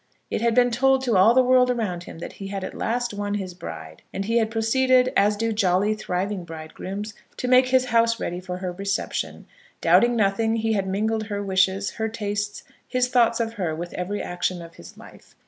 It had been told to all the world around him that he had at last won his bride, and he had proceeded, as do jolly thriving bridegrooms, to make his house ready for her reception. Doubting nothing he had mingled her wishes, her tastes, his thoughts of her, with every action of his life.